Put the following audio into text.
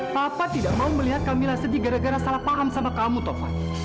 papa tidak mau melihat kamilah sedih gara gara salah paham sama kamu tovan